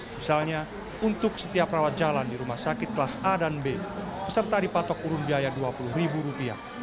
misalnya untuk setiap rawat jalan di rumah sakit kelas a dan b peserta dipatok urun biaya rp dua puluh